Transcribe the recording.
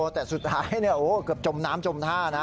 แต่สุดท้ายเกือบจมน้ำจมท่านะ